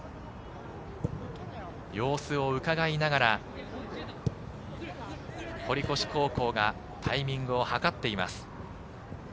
様子を伺いながら、堀越高校がタイミングを図っています。